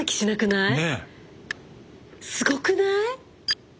すごくない？